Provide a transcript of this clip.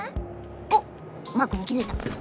おっマークにきづいた。